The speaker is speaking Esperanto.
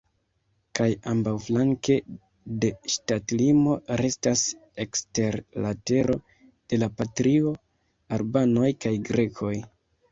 Kaj ambaŭflanke de ŝtatlimo restas ekster la tero de la patrio albanoj kaj grekoj.